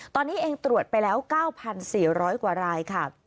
ตอนนี้เองตรวจไปแล้ว๙๔๐๐กว่ารายค่ะ